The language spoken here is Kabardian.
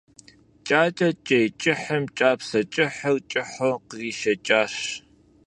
Кӏакӏэ кӏей кӏыхьым кӏапсэ кӏыхьыр кӏыхьу къришэкӏащ.